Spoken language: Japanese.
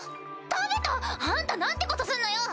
食べた⁉あんた何てことすんのよ！